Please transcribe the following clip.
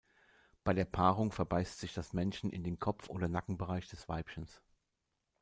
Bei der Paarung verbeißt sich das Männchen in den Kopf- oder Nackenbereich des Weibchens.